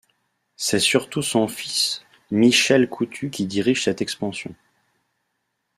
C'est surtout son fils Michel Coutu qui dirige cette expansion.